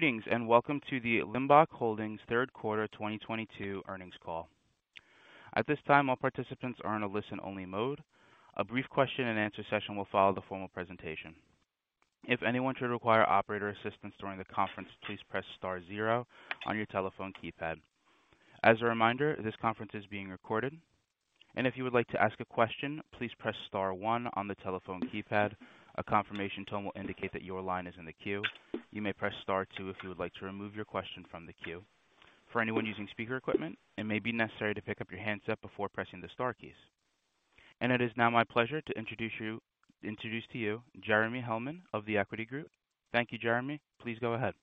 Greetings, and welcome to the Limbach Holdings third quarter 2022 earnings call. At this time, all participants are in a listen-only mode. A brief question-and-answer session will follow the formal presentation. If anyone should require operator assistance during the conference, please press star zero on your telephone keypad. As a reminder, this conference is being recorded. If you would like to ask a question, please press star one on the telephone keypad. A confirmation tone will indicate that your line is in the queue. You may press star two if you would like to remove your question from the queue. For anyone using speaker equipment, it may be necessary to pick up your handset before pressing the star keys. It is now my pleasure to introduce to you Jeremy Hellman of The Equity Group. Thank you, Jeremy. Please go ahead.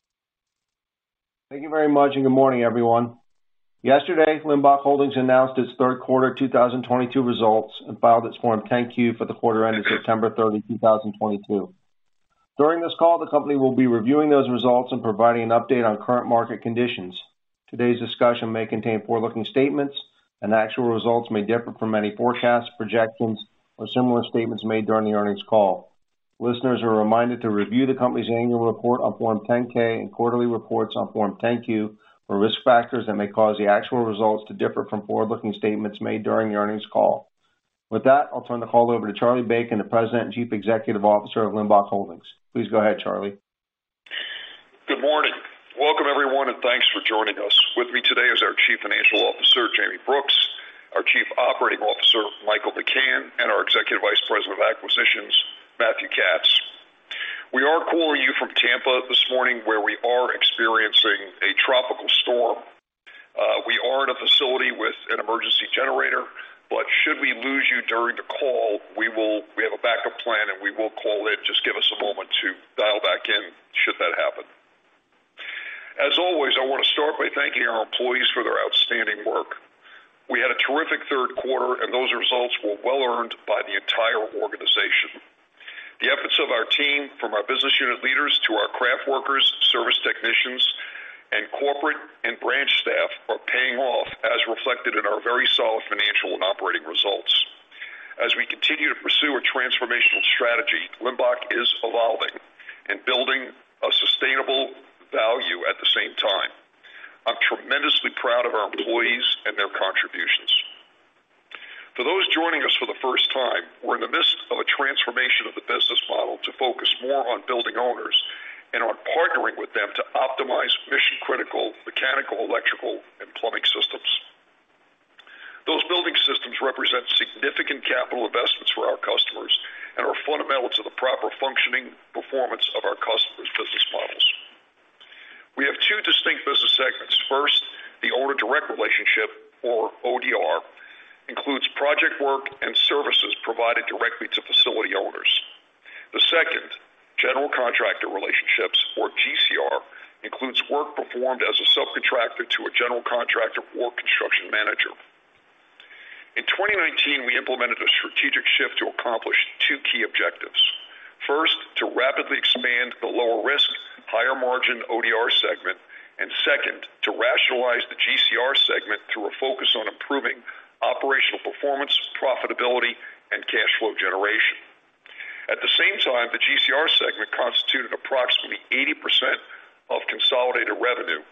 Thank you very much, and good morning, everyone. Yesterday, Limbach Holdings announced its third quarter 2022 results and filed its Form 10-Q for the quarter ending September 30, 2022. During this call, the company will be reviewing those results and providing an update on current market conditions. Today's discussion may contain forward-looking statements and actual results may differ from any forecasts, projections, or similar statements made during the earnings call. Listeners are reminded to review the company's annual report on Form 10-K and quarterly reports on Form 10-Q for risk factors that may cause the actual results to differ from forward-looking statements made during the earnings call. With that, I'll turn the call over to Charlie Bacon, the President and Chief Executive Officer of Limbach Holdings. Please go ahead, Charlie. Good morning. Welcome, everyone, and thanks for joining us. With me today is our Chief Financial Officer, Jayme Brooks, our Chief Operating Officer, Michael McCann, and our Executive Vice President of Acquisitions, Matthew Katz. We are calling you from Tampa this morning, where we are experiencing a tropical storm. We are in a facility with an emergency generator, but should we lose you during the call, we have a backup plan, and we will call in. Just give us a moment to dial back in should that happen. As always, I wanna start by thanking our employees for their outstanding work. We had a terrific third quarter, and those results were well-earned by the entire organization. The efforts of our team, from our business unit leaders to our craft workers, service technicians, and corporate and branch staff, are paying off as reflected in our very solid financial and operating results. As we continue to pursue a transformational strategy, Limbach is evolving and building a sustainable value at the same time. I'm tremendously proud of our employees and their contributions. For those joining us for the first time, we're in the midst of a transformation of the business model to focus more on building owners and on partnering with them to optimize mission-critical mechanical, electrical, and plumbing systems. Those building systems represent significant capital investments for our customers and are fundamental to the proper functioning performance of our customers' business models. We have two distinct business segments. First, the Owner Direct Relationship, or ODR, includes project work and services provided directly to facility owners. The second, General Contractor Relationships, or GCR, includes work performed as a subcontractor to a general contractor or construction manager. In 2019, we implemented a strategic shift to accomplish two key objectives. First, to rapidly expand the lower risk, higher margin ODR segment. Second, to rationalize the GCR segment through a focus on improving operational performance, profitability, and cash flow generation. At the same time, the GCR segment constituted approximately 80% of consolidated revenue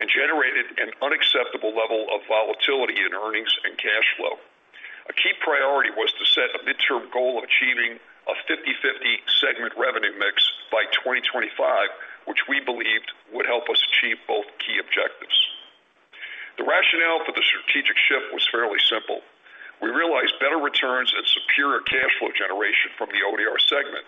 and generated an unacceptable level of volatility in earnings and cash flow. A key priority was to set a midterm goal of achieving a 50/50 segment revenue mix by 2025, which we believed would help us achieve both key objectives. The rationale for the strategic shift was fairly simple. We realized better returns and superior cash flow generation from the ODR segment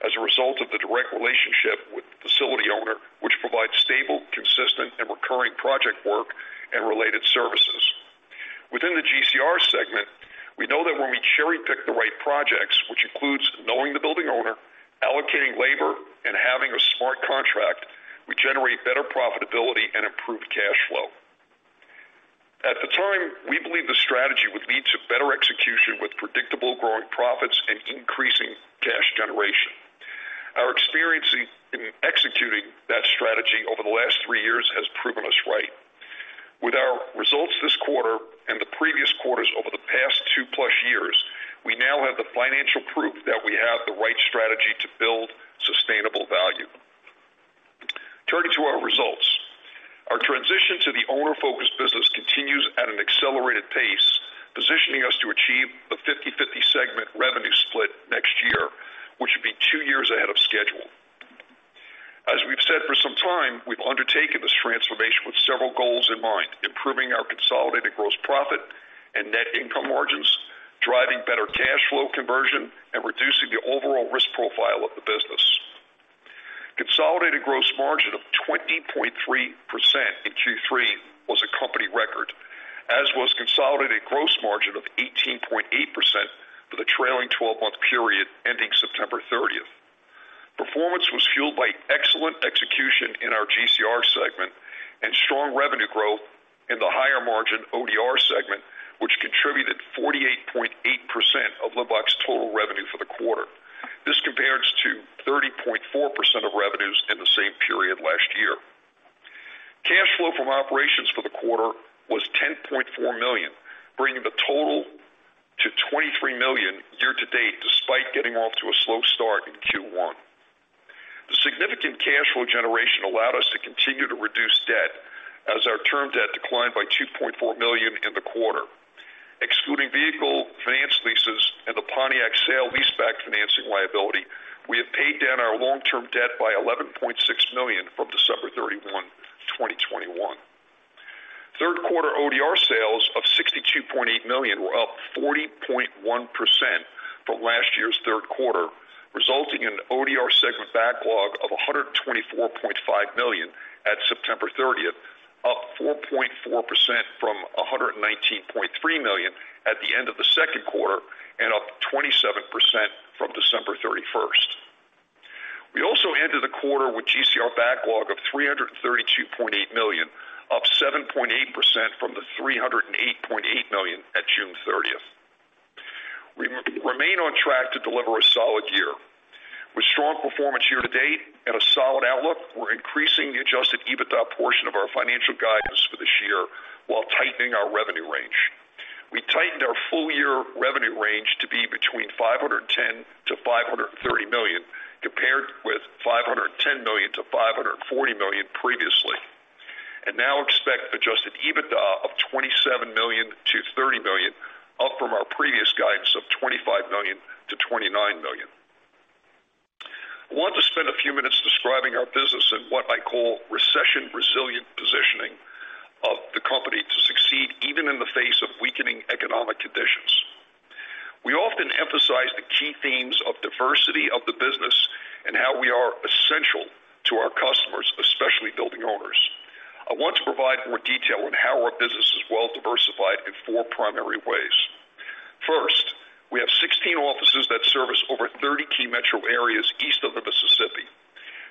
as a result of the direct relationship with the facility owner, which provides stable, consistent, and recurring project work and related services. Within the GCR segment, we know that when we cherry-pick the right projects, which includes knowing the building owner, allocating labor, and having a smart contract, we generate better profitability and improved cash flow. At the time, we believed the strategy would lead to better execution with predictable growing profits and increasing cash generation. Our experience in executing that strategy over the last three years has proven us right. With our results this quarter and the previous quarters over the past two-plus years, we now have the financial proof that we have the right strategy to build sustainable value. Turning to our results. Our transition to the owner-focused business continues at an accelerated pace, positioning us to achieve a 50/50 segment revenue split next year, which would be 2 years ahead of schedule. As we've said for some time, we've undertaken this transformation with several goals in mind. Improving our consolidated gross profit and net income margins, driving better cash flow conversion, and reducing the overall risk profile of the business. Consolidated gross margin of 20.3% in Q3 was a company record, as was consolidated gross margin of 18.8% for the trailing 12-month period ending September 30th. Performance was fueled by excellent execution in our GCR segment and strong revenue growth in the higher margin ODR segment, which contributed 48.8% of Limbach's total revenue for the quarter. This compares to 30.4% of revenues in the same period last year. Cash flow from operations for the quarter was $10.4 million, bringing the total to $23 million year-to-date, despite getting off to a slow start in Q1. The significant cash flow generation allowed us to continue to reduce debt as our term debt declined by $2.4 million in the quarter. Excluding vehicle finance leases and the Pontiac sale leaseback financing liability, we have paid down our long-term debt by $11.6 million from December 31, 2021. Third quarter ODR sales of $62.8 million were up 40.1% from last year's third quarter, resulting in an ODR segment backlog of $124.5 million at September 30th, up 4.4% from $119.3 million at the end of the second quarter and up 27% from December 31st. We also ended the quarter with GCR backlog of $332.8 million, up 7.8% from the $308.8 million at June 30th. We remain on track to deliver a solid year. With strong performance year-to-date and a solid outlook, we're increasing the adjusted EBITDA portion of our financial guidance for this year while tightening our revenue range. We tightened our full year revenue range to be between $510 million-$530 million, compared with $510 million-$540 million previously, and now expect adjusted EBITDA of $27 million-$30 million, up from our previous guidance of $25 million-$29 million. I want to spend a few minutes describing our business and what I call recession resilient positioning of the company to succeed even in the face of weakening economic conditions. We often emphasize the key themes of diversity of the business and how we are essential to our customers, especially building owners. I want to provide more detail on how our business is well diversified in four primary ways. First, we have 16 offices that service over 30 key metro areas east of the Mississippi.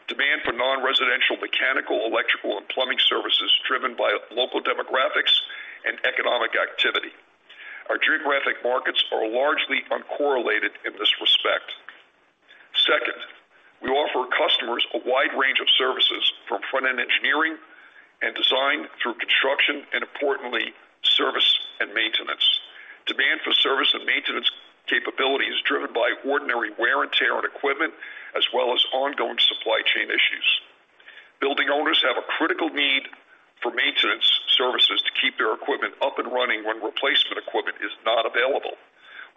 Demand for non-residential, mechanical, electrical, and plumbing services driven by local demographics and economic activity. Our geographic markets are largely uncorrelated in this respect. Second, we offer customers a wide range of services from front-end engineering and design through construction and importantly, service and maintenance. Demand for service and maintenance capability is driven by ordinary wear and tear on equipment, as well as ongoing supply chain issues. Building owners have a critical need for maintenance services to keep their equipment up and running when replacement equipment is not available.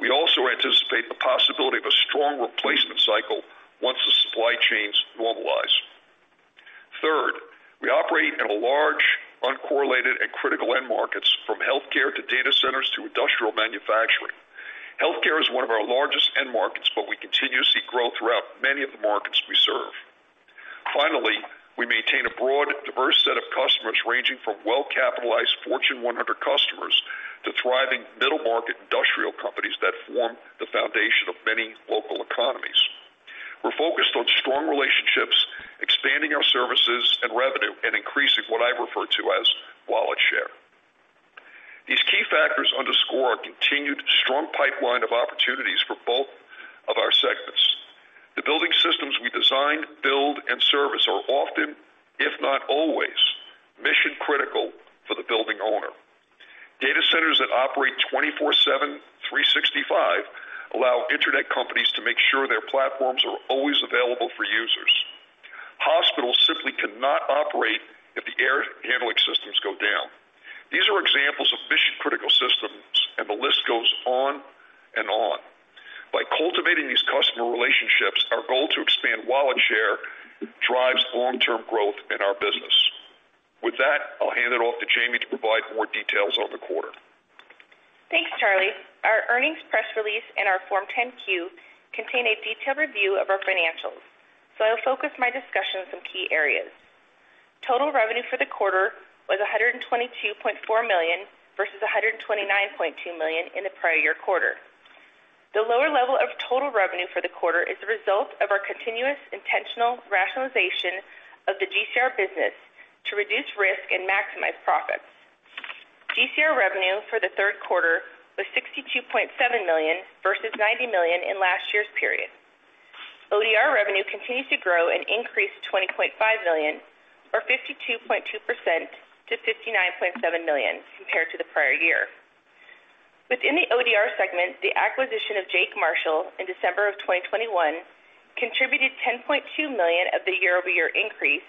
We also anticipate the possibility of a strong replacement cycle once the supply chains normalize. Third, we operate in a large, uncorrelated, and critical end markets, from healthcare to data centers to industrial manufacturing. Healthcare is one of our largest end markets, but we continue to see growth throughout many of the markets we serve. Finally, we maintain a broad, diverse set of customers, ranging from well-capitalized Fortune 100 customers to thriving middle-market industrial companies that form the foundation of many local economies. We're focused on strong relationships, expanding our services and revenue, and increasing what I refer to as wallet share. These key factors underscore our continued strong pipeline of opportunities for both of our segments. The building systems we design, build, and service are often, if not always, mission-critical for the building owner. Data centers that operate 24/7, 365 allow Internet companies to make sure their platforms are always available for users. Hospitals simply cannot operate if the air handling systems go down. These are examples of mission-critical systems, and the list goes on and on. By cultivating these customer relationships, our goal to expand wallet share drives long-term growth in our business. With that, I'll hand it off to Jayme to provide more details on the quarter. Thanks, Charlie. Our earnings press release and our Form 10-Q contain a detailed review of our financials. I'll focus my discussion on some key areas. Total revenue for the quarter was $122.4 million versus $129.2 million in the prior year quarter. The lower level of total revenue for the quarter is a result of our continuous intentional rationalization of the GCR business to reduce risk and maximize profits. GCR revenue for the third quarter was $62.7 million versus $90 million in last year's period. ODR revenue continues to grow and increased $20.5 million or 52.2% to $59.7 million compared to the prior year. Within the ODR segment, the acquisition of Jake Marshall in December of 2021 contributed $10.2 million of the year-over-year increase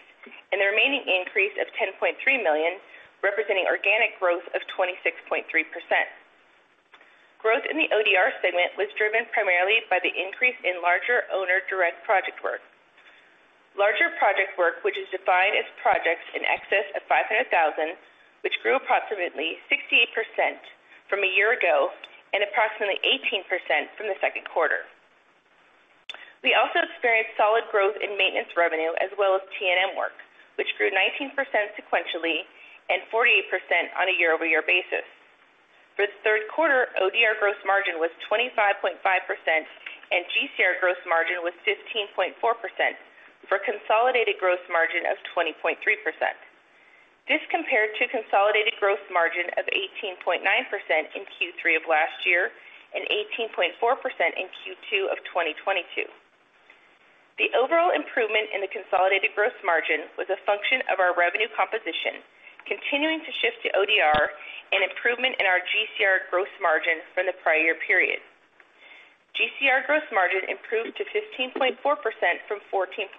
and the remaining increase of $10.3 million, representing organic growth of 26.3%. Growth in the ODR segment was driven primarily by the increase in larger owner direct project work. Larger project work, which is defined as projects in excess of $500,000, which grew approximately 68% from a year ago and approximately 18% from the second quarter. We also experienced solid growth in maintenance revenue as well as TNM work, which grew 19% sequentially and 48% on a year-over-year basis. For the third quarter, ODR gross margin was 25.5% and GCR gross margin was 15.4% for consolidated gross margin of 20.3%. This compared to consolidated gross margin of 18.9% in Q3 of last year and 18.4% in Q2 of 2022. The overall improvement in the consolidated gross margin was a function of our revenue composition continuing to shift to ODR and improvement in our GCR gross margin from the prior year period. GCR gross margin improved to 15.4% from 14.2%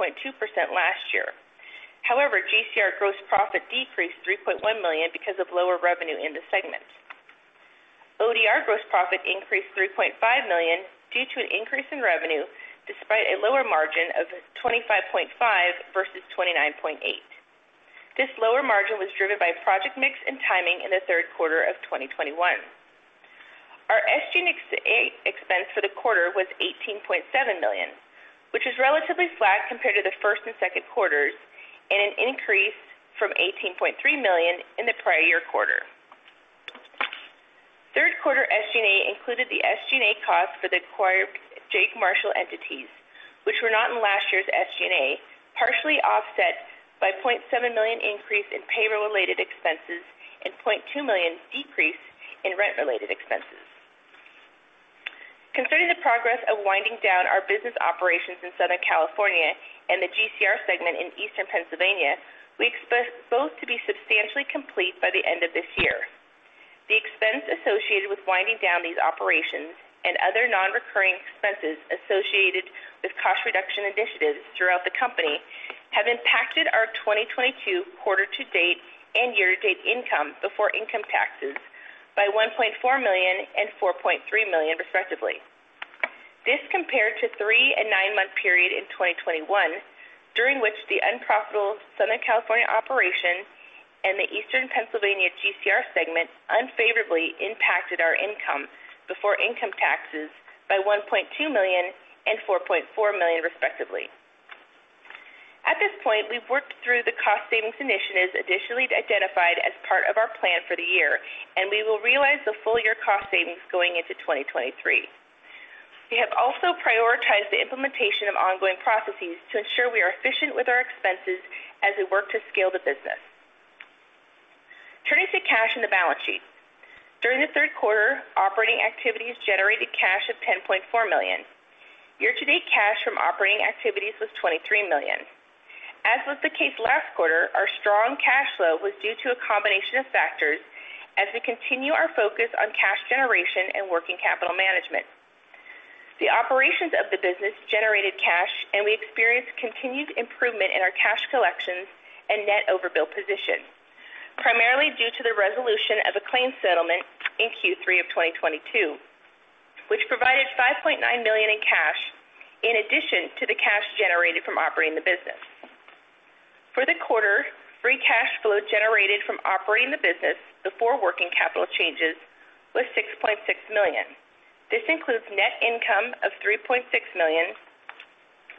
last year. However, GCR gross profit decreased $3.1 million because of lower revenue in the segment. ODR gross profit increased $3.5 million due to an increase in revenue despite a lower margin of 25.5% versus 29.8%. This lower margin was driven by project mix and timing in the third quarter of 2021. Our SG&A expense for the quarter was $18.7 million, which was relatively flat compared to the first and second quarters, and an increase from $18.3 million in the prior year quarter. Third quarter SG&A included the SG&A cost for the acquired Jake Marshall entities, which were not in last year's SG&A, partially offset by $0.7 million increase in payroll-related expenses and $0.2 million decrease in rent-related expenses. Concerning the progress of winding down our business operations in Southern California and the GCR segment in Eastern Pennsylvania, we expect both to be substantially complete by the end of this year. The expense associated with winding down these operations and other non-recurring expenses associated with cost reduction initiatives throughout the company have impacted our 2022 quarter to date and year to date income before income taxes by $1.4 million and $4.3 million, respectively. This compared to 3- and 9-month period in 2021, during which the unprofitable Southern California operation and the Eastern Pennsylvania GCR segment unfavorably impacted our income before income taxes by $1.2 million and $4.4 million, respectively. At this point, we've worked through the cost savings initiatives additionally identified as part of our plan for the year, and we will realize the full year cost savings going into 2023. We have also prioritized the implementation of ongoing processes to ensure we are efficient with our expenses as we work to scale the business. Turning to cash in the balance sheet. During the third quarter, operating activities generated cash of $10.4 million. Year to date cash from operating activities was $23 million. As was the case last quarter, our strong cash flow was due to a combination of factors as we continue our focus on cash generation and working capital management. The operations of the business generated cash, and we experienced continued improvement in our cash collections and net overbilled position, primarily due to the resolution of a claim settlement in Q3 of 2022, which provided $5.9 million in cash in addition to the cash generated from operating the business. For the quarter, free cash flow generated from operating the business before working capital changes was $6.6 million. This includes net income of $3.6 million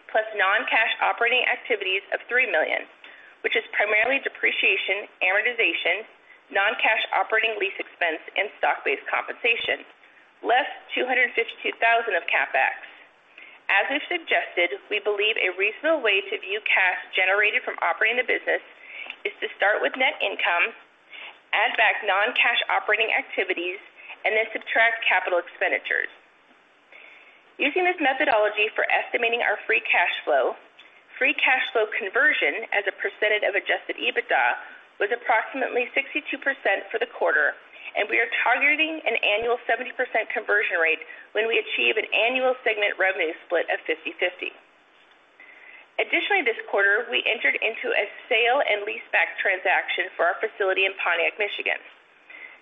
plus non-cash operating activities of $3 million, which is primarily depreciation, amortization, non-cash operating lease expense, and stock-based compensation, less $252,000 of CapEx. We've suggested, we believe a reasonable way to view cash generated from operating the business is to start with net income, add back non-cash operating activities, and then subtract capital expenditures. Using this methodology for estimating our free cash flow, free cash flow conversion as a percentage of adjusted EBITDA was approximately 62% for the quarter, and we are targeting an annual 70% conversion rate when we achieve an annual segment revenue split of 50/50. Additionally, this quarter, we entered into a sale and leaseback transaction for our facility in Pontiac, Michigan.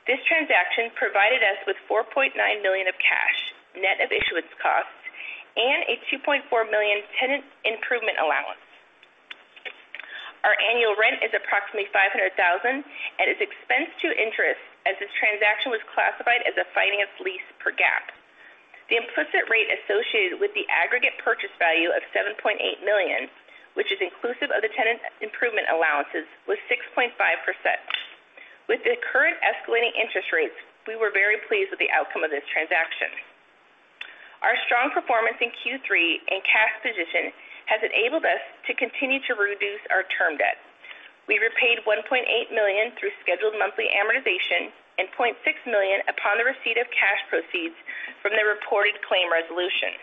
This transaction provided us with $4.9 million of cash, net of issuance costs, and a $2.4 million tenant improvement allowance. Our annual rent is approximately $500,000 and is expensed to interest as this transaction was classified as a finance lease per GAAP. The implicit rate associated with the aggregate purchase value of $7.8 million, which is inclusive of the tenant improvement allowances, was 6.5%. With the current escalating interest rates, we were very pleased with the outcome of this transaction. Our strong performance in Q3 and cash position has enabled us to continue to reduce our term debt. We repaid $1.8 million through scheduled monthly amortization and $0.6 million upon the receipt of cash proceeds from the reported claim resolution.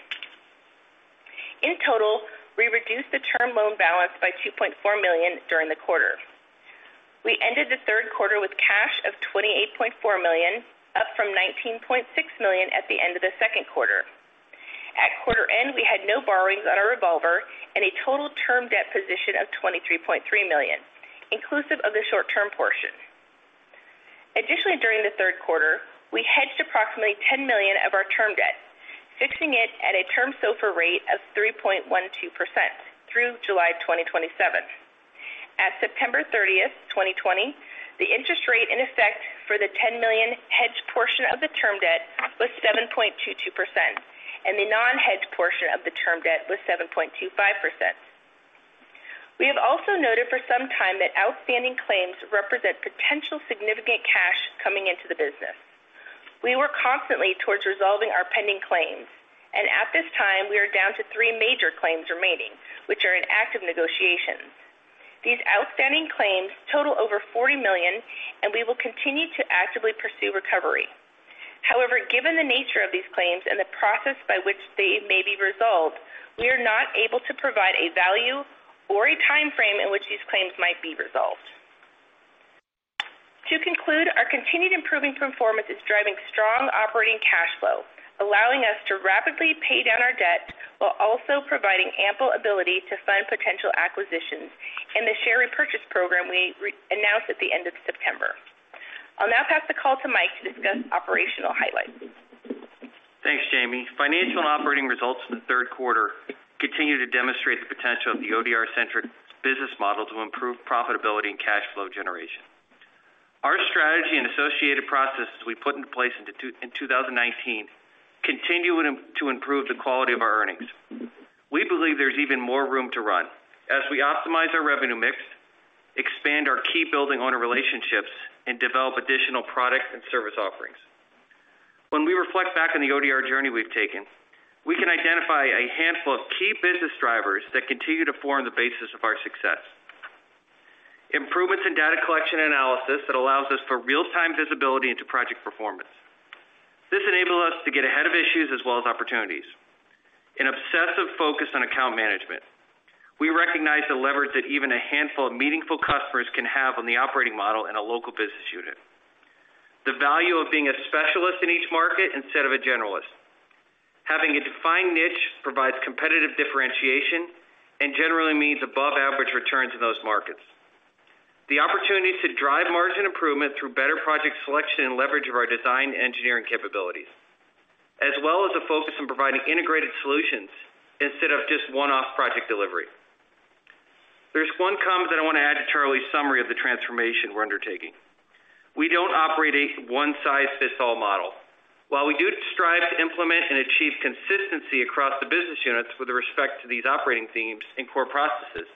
In total, we reduced the term loan balance by $2.4 million during the quarter. We ended the third quarter with cash of $28.4 million, up from $19.6 million at the end of the second quarter. At quarter end, we had no borrowings on our revolver and a total term debt position of $23.3 million, inclusive of the short-term portion. Additionally, during the third quarter, we hedged approximately $10 million of our term debt, fixing it at a term SOFR rate of 3.12% through July 27, 2027. At September 30, 2020, the interest rate in effect for the $10 million hedged portion of the term debt was 7.22%, and the non-hedged portion of the term debt was 7.25%. We have also noted for some time that outstanding claims represent potential significant cash coming into the business. We work constantly towards resolving our pending claims, and at this time, we are down to three major claims remaining, which are in active negotiations. These outstanding claims total over $40 million, and we will continue to actively pursue recovery. However, given the nature of these claims and the process by which they may be resolved, we are not able to provide a value or a time frame in which these claims might be resolved. To conclude, our continued improving performance is driving strong operating cash flow, allowing us to rapidly pay down our debt while also providing ample ability to fund potential acquisitions and the share repurchase program we announced at the end of September. I'll now pass the call to Mike to discuss operational highlights. Thanks, Jayme. Financial and operating results for the third quarter continue to demonstrate the potential of the ODR-centric business model to improve profitability and cash flow generation. Our strategy and associated processes we put into place in 2019 continue to improve the quality of our earnings. We believe there's even more room to run as we optimize our revenue mix, expand our key building owner relationships, and develop additional products and service offerings. When we reflect back on the ODR journey we've taken, we can identify a handful of key business drivers that continue to form the basis of our success. Improvements in data collection analysis that allows us for real-time visibility into project performance. This enables us to get ahead of issues as well as opportunities. An obsessive focus on account management. We recognize the leverage that even a handful of meaningful customers can have on the operating model in a local business unit. The value of being a specialist in each market instead of a generalist. Having a defined niche provides competitive differentiation and generally means above average returns in those markets. The opportunity to drive margin improvement through better project selection and leverage of our design engineering capabilities, as well as a focus on providing integrated solutions instead of just one-off project delivery. There's one comment that I wanna add to Charlie's summary of the transformation we're undertaking. We don't operate a one size fits all model. While we do strive to implement and achieve consistency across the business units with respect to these operating themes and core processes,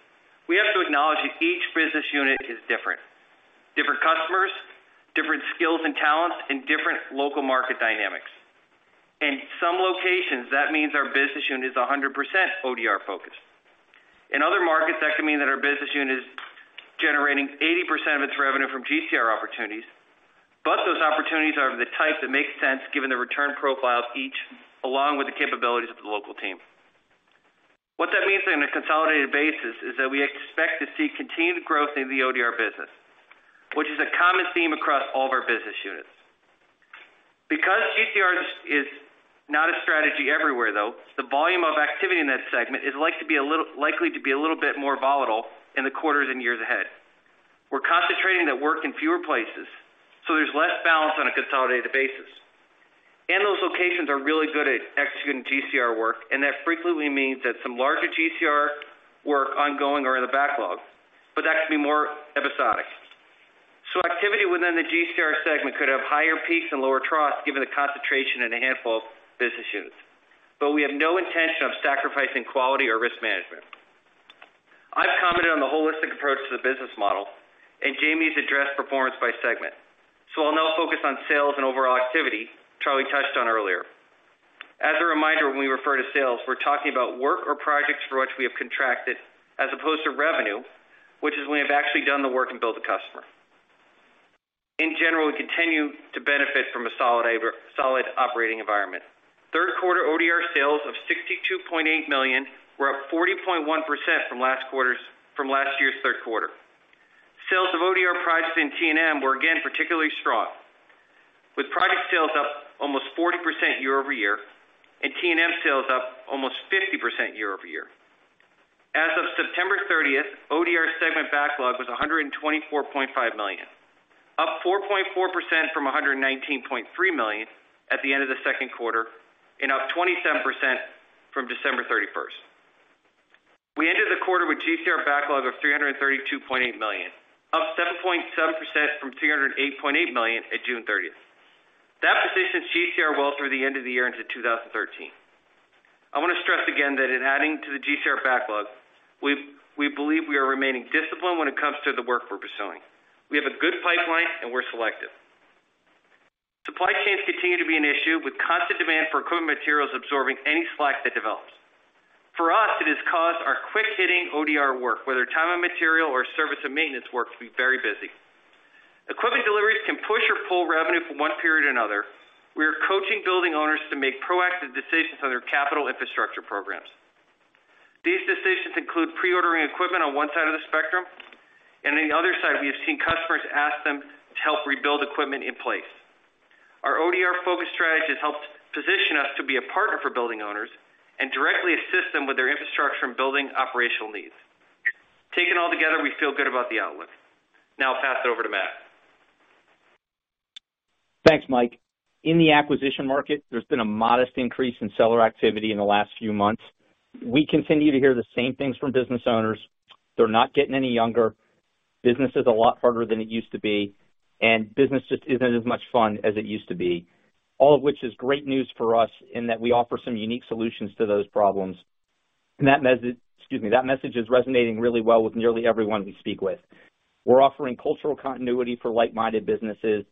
we have to acknowledge that each business unit is different. Different customers, different skills and talents, and different local market dynamics. In some locations, that means our business unit is 100% ODR focused. In other markets, that can mean that our business unit is generating 80% of its revenue from GCR opportunities, but those opportunities are the type that make sense given the return profiles each, along with the capabilities of the local team. What that means on a consolidated basis is that we expect to see continued growth in the ODR business, which is a common theme across all of our business units. Because GCR is not a strategy everywhere, though, the volume of activity in that segment is likely to be a little bit more volatile in the quarters and years ahead. We're concentrating that work in fewer places, so there's less balance on a consolidated basis. Those locations are really good at executing GCR work, and that frequently means that some larger GCR work ongoing or in the backlog, but that can be more episodic. Activity within the GCR segment could have higher peaks and lower troughs given the concentration in a handful of business units. We have no intention of sacrificing quality or risk management. I've commented on the holistic approach to the business model, and Jayme's addressed performance by segment. I'll now focus on sales and overall activity Charlie touched on earlier. As a reminder, when we refer to sales, we're talking about work or projects for which we have contracted as opposed to revenue, which is when we have actually done the work and billed the customer. In general, we continue to benefit from a solid operating environment. Third quarter ODR sales of $62.8 million were up 40.1% from last year's third quarter. Sales of ODR products in TNM were again particularly strong, with product sales up almost 40% year-over-year and TNM sales up almost 50% year-over-year. As of September 30, ODR segment backlog was $124.5 million, up 4.4% from $119.3 million at the end of the second quarter and up 27% from December 31. We ended the quarter with GCR backlog of $332.8 million, up 7.7% from $308.8 million at June 30. That positions GCR well through the end of the year into 2013. I wanna stress again that in adding to the GCR backlog, we believe we are remaining disciplined when it comes to the work we're pursuing. We have a good pipeline, and we're selective. Supply chains continue to be an issue, with constant demand for equipment materials absorbing any slack that develops. For us, it has caused our quick-hitting ODR work, whether time and material or service and maintenance work, to be very busy. Equipment deliveries can push or pull revenue from one period to another. We are coaching building owners to make proactive decisions on their capital infrastructure programs. These decisions include pre-ordering equipment on one side of the spectrum, and on the other side, we have seen customers ask them to help rebuild equipment in place. Our ODR-focused strategy has helped position us to be a partner for building owners and directly assist them with their infrastructure and building operational needs. Taken all together, we feel good about the outlook. Now I'll pass it over to Matt. Thanks, Mike. In the acquisition market, there's been a modest increase in seller activity in the last few months. We continue to hear the same things from business owners. They're not getting any younger. Business is a lot harder than it used to be, and business just isn't as much fun as it used to be. All of which is great news for us in that we offer some unique solutions to those problems. That message, excuse me, is resonating really well with nearly everyone we speak with. We're offering cultural continuity for like-minded businesses,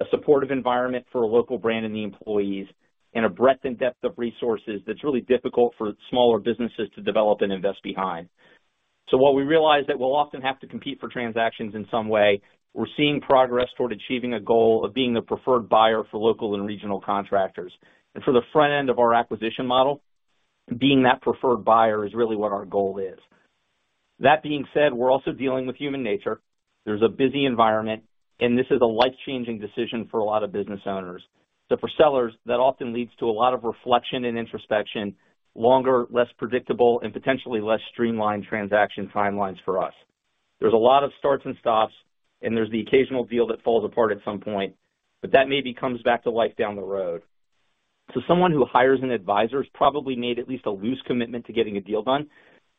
a supportive environment for a local brand and the employees, and a breadth and depth of resources that's really difficult for smaller businesses to develop and invest behind. While we realize that we'll often have to compete for transactions in some way, we're seeing progress toward achieving a goal of being the preferred buyer for local and regional contractors. For the front end of our acquisition model, being that preferred buyer is really what our goal is. That being said, we're also dealing with human nature. There's a busy environment, and this is a life-changing decision for a lot of business owners. For sellers, that often leads to a lot of reflection and introspection, longer, less predictable, and potentially less streamlined transaction timelines for us. There's a lot of starts and stops, and there's the occasional deal that falls apart at some point, but that maybe comes back to life down the road. Someone who hires an advisor has probably made at least a loose commitment to getting a deal done,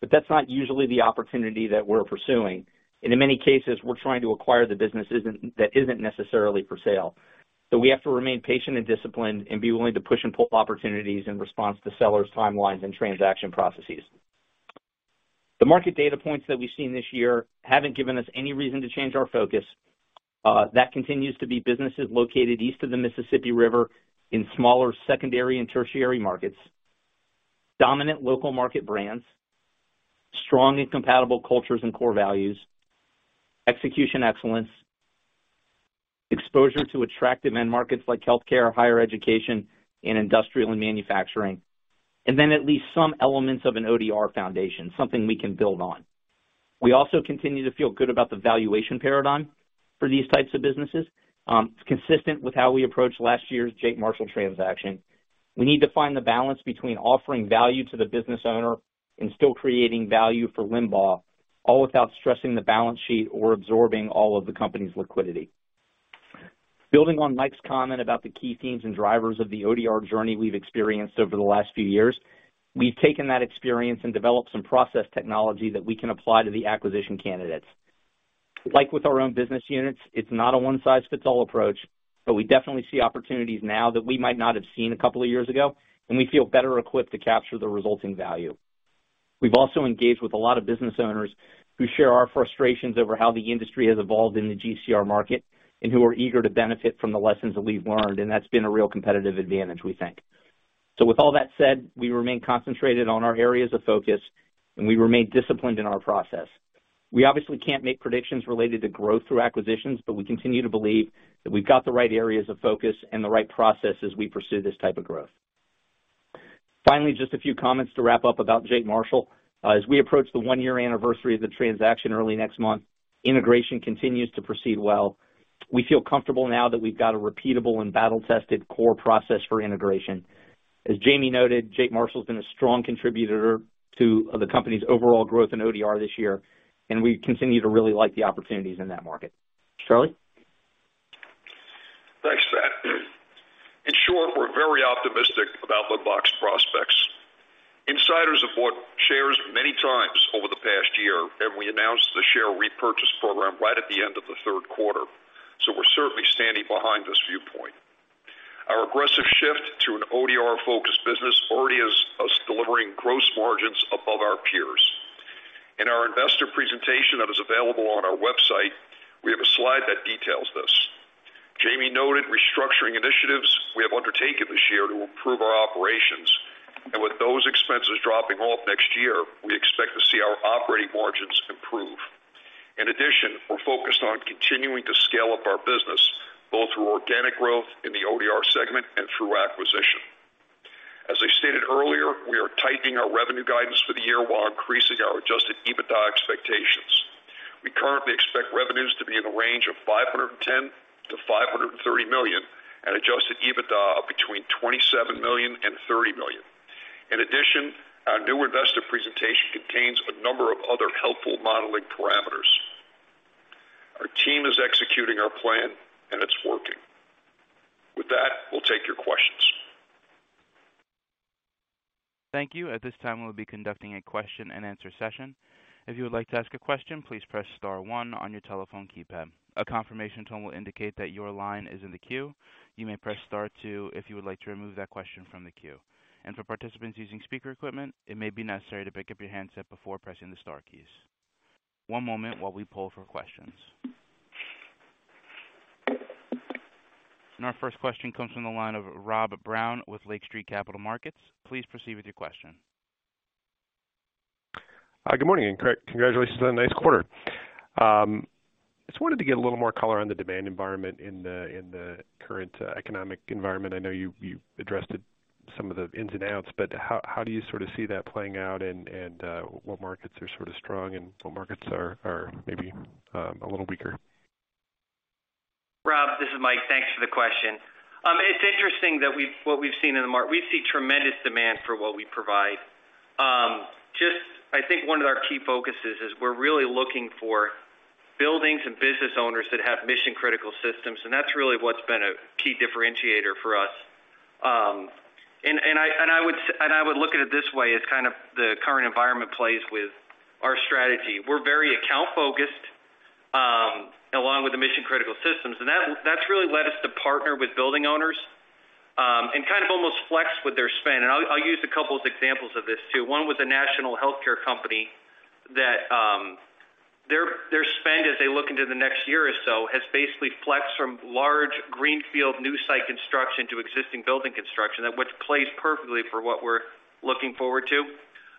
but that's not usually the opportunity that we're pursuing. In many cases, we're trying to acquire the business that isn't necessarily for sale. We have to remain patient and disciplined and be willing to push and pull opportunities in response to sellers' timelines and transaction processes. The market data points that we've seen this year haven't given us any reason to change our focus. That continues to be businesses located east of the Mississippi River in smaller secondary and tertiary markets. Dominant local market brands. Strong and compatible cultures and core values. Execution excellence. Exposure to attractive end markets like healthcare, higher education, and industrial and manufacturing. Then at least some elements of an ODR foundation, something we can build on. We also continue to feel good about the valuation paradigm for these types of businesses. It's consistent with how we approached last year's Jake Marshall transaction. We need to find the balance between offering value to the business owner and still creating value for Limbach, all without stressing the balance sheet or absorbing all of the company's liquidity. Building on Mike's comment about the key themes and drivers of the ODR journey we've experienced over the last few years, we've taken that experience and developed some process technology that we can apply to the acquisition candidates. Like with our own business units, it's not a one-size-fits-all approach, but we definitely see opportunities now that we might not have seen a couple of years ago, and we feel better equipped to capture the resulting value. We've also engaged with a lot of business owners who share our frustrations over how the industry has evolved in the GCR market and who are eager to benefit from the lessons that we've learned, and that's been a real competitive advantage, we think. With all that said, we remain concentrated on our areas of focus, and we remain disciplined in our process. We obviously can't make predictions related to growth through acquisitions, but we continue to believe that we've got the right areas of focus and the right process as we pursue this type of growth. Finally, just a few comments to wrap up about Jake Marshall. As we approach the one-year anniversary of the transaction early next month, integration continues to proceed well. We feel comfortable now that we've got a repeatable and battle-tested core process for integration. As Jayme noted, Jake Marshall's been a strong contributor to the company's overall growth in ODR this year, and we continue to really like the opportunities in that market. Charlie? Thanks, Pat. In short, we're very optimistic about Limbach's prospects. Insiders have bought shares many times over the past year, and we announced the share repurchase program right at the end of the third quarter. We're certainly standing behind this viewpoint. Our aggressive shift to an ODR-focused business already has us delivering gross margins above our peers. In our investor presentation that is available on our website, we have a slide that details this. Jayme noted restructuring initiatives we have undertaken this year to improve our operations. With those expenses dropping off next year, we expect to see our operating margins improve. In addition, we're focused on continuing to scale up our business, both through organic growth in the ODR segment and through acquisition. As I stated earlier, we are tightening our revenue guidance for the year while increasing our adjusted EBITDA expectations. We currently expect revenues to be in the range of $510 million-$530 million and adjusted EBITDA between $27 million and $30 million. In addition, our new investor presentation contains a number of other helpful modeling parameters. Our team is executing our plan, and it's working. With that, we'll take your questions. Thank you. At this time, we'll be conducting a question-and-answer session. If you would like to ask a question, please press star one on your telephone keypad. A confirmation tone will indicate that your line is in the queue. You may press star two if you would like to remove that question from the queue. For participants using speaker equipment, it may be necessary to pick up your handset before pressing the star keys. One moment while we poll for questions. Our first question comes from the line of Rob Brown with Lake Street Capital Markets. Please proceed with your question. Good morning, and congratulations on a nice quarter. Just wanted to get a little more color on the demand environment in the current economic environment. I know you addressed it, some of the ins and outs, but how do you sort of see that playing out, and what markets are sort of strong and what markets are maybe a little weaker? Rob, this is Mike. Thanks for the question. It's interesting that we see tremendous demand for what we provide. Just, I think one of our key focuses is we're really looking for buildings and business owners that have mission-critical systems, and that's really what's been a key differentiator for us. I would look at it this way as kind of the current environment plays with our strategy. We're very account-focused, along with the mission-critical systems. That's really led us to partner with building owners, and kind of almost flex with their spend. I'll use a couple of examples of this, too. One with a national healthcare company that, they're- Look into the next year or so has basically flexed from large greenfield new site construction to existing building construction, that which plays perfectly for what we're looking forward to.